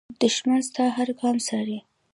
دښمن ستا هر ګام څاري